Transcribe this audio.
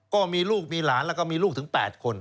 ก็มีลูกมีหลานแล้วก็มีลูกถึง๘คน